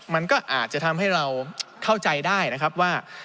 มันก็อาจจะทำให้เราเข้าใจได้นะครับว่า